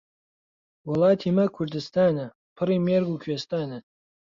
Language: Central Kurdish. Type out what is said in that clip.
وڵاتی مە کوردستانە، پڕی مێرگ و کوێستانە.